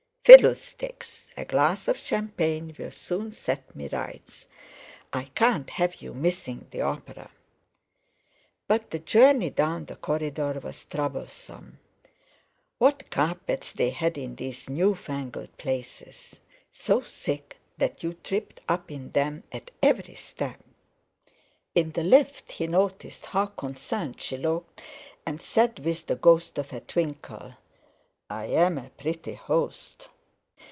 "Fiddlesticks! A glass of champagne'll soon set me to rights. I can't have you missing the opera." But the journey down the corridor was troublesome. What carpets they had in these newfangled places, so thick that you tripped up in them at every step! In the lift he noticed how concerned she looked, and said with the ghost of a twinkle: "I'm a pretty host."